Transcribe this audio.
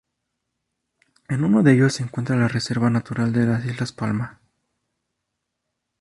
En uno de ellos se encuentra la Reserva natural de las Islas Palma.